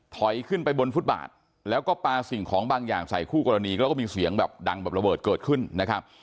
ถอยขึ้นไปบนฟุตบาทแล้วก็ปลาสิ่งของบางอย่างใส่คู่กรณีแล้วก็มีเสียงแบบดังแบบระเบิดเกิดขึ้นนะครับ